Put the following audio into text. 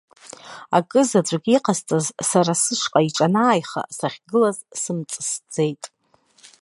Акызаҵәык иҟасҵаз, сара сышҟа иҿанааиха, сахьгылаз сымҵысӡеит.